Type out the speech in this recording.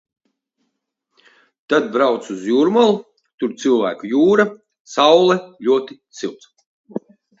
Tad braucu uz Jūrmalu. Tur cilvēku jūra. Saule, ļoti silts.